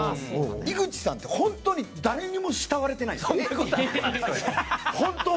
井口さんって、本当に後輩の誰にも慕われてないんですよ。